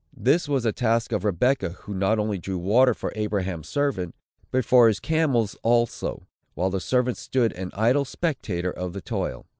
This was the task of Rebecca, who not only drew water for Abraham's servant, but for his camels also, while the servant stood an idle spectator of the toil.